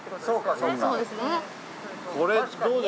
そうかそうか。